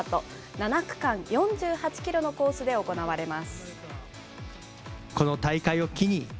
７区間４８キロのコースで行われます。